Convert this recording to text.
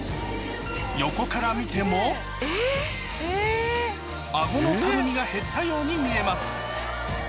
横から見てもアゴのたるみが減ったように見えます